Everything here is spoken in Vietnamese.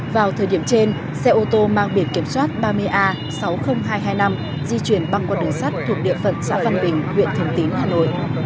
vào thời điểm trên xe ô tô mang biển kiểm soát ba mươi a sáu mươi nghìn hai trăm hai mươi năm di chuyển băng qua đường sắt thuộc địa phận xã văn bình huyện thường tín hà nội